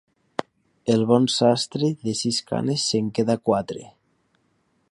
El bon sastre de sis canes se'n queda quatre.